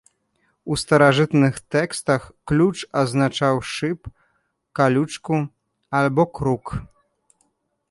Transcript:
У старажытных тэкстах ключ азначаў шып, калючку альбо крук.